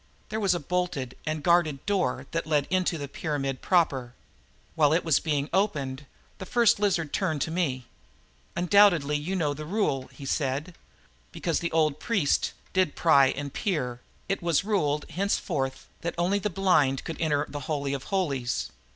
There was a bolted and guarded door that led into the pyramid proper. While it was being opened, the First Lizard turned to me. "Undoubtedly you know of the rule," he said. "Because the old priests did pry and peer, it was ruled henceforth that only the blind could enter the Holy of Holies."